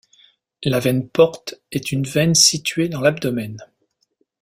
La veine porte est une veine située dans l'abdomen.